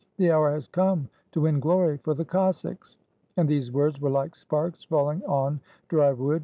The hour has come to win glory for the Cossacks!" And these words were like sparks falling on dry wood.